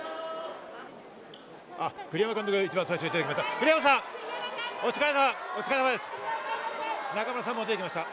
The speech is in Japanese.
栗山監督が一番最初に出てきました！